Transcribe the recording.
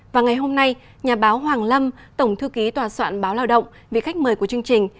và ngày hôm nay nhà báo hoàng lâm tổng thư ký tòa soạn báo lao động vị khách mời của chương trình